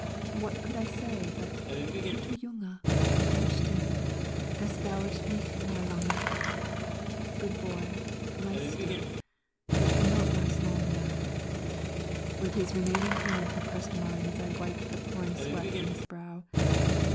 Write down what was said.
What could I say but "Guter Junge bleib still. Es dauert nicht mehr lange!" ("Good boy lie still. It will not last long now!") With his remaining hand he pressed mine as I wiped the pouring sweat from his brow.